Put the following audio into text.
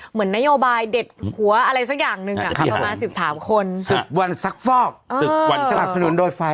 เหมือนนโยบายเด็ดหัวอะไรสักอย่างหนึ่งอะครับประมาณสิบสามคนศึกวันศักดิ์ฟอก